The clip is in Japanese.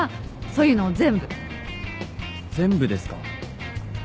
全部ですか？